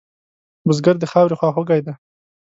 بزګر د خاورې خواخوږی دی